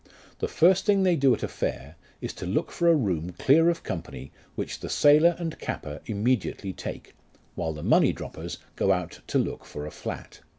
The first thing they do at a fair, is to look for a room clear of company which the sailor and capper immediately take, while the money droppers go out to look for a flat.